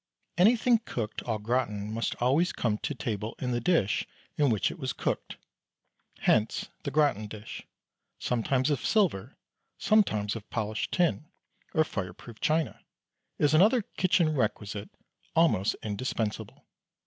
Anything cooked au gratin must always come to table in the dish in which it was cooked, hence the gratin dish, sometimes of silver, sometimes of polished tin or fire proof china, is another kitchen requisite almost indispensable.